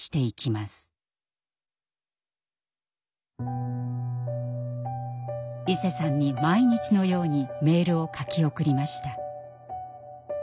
いせさんに毎日のようにメールを書き送りました。